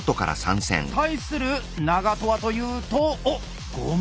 対する長渡はというとおっ５枚。